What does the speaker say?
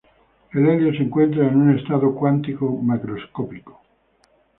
El helio se encuentra en un estado cuántico macroscópico.